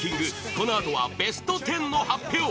このあとはベスト１０の発表！